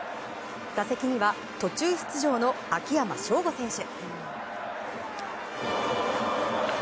打席には途中出場の秋山翔吾選手。